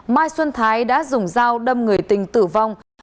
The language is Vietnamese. mai xuân thái đã dùng dao đâm người tình tử vong